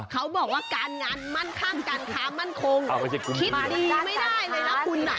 เขาบอกว่าการงานมั่นข้างการค้ามั่นคงคิดดีไม่ได้เลยนะคุณอ่ะ